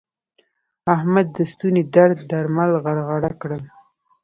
احمد د ستوني درد درمل غرغړه کړل.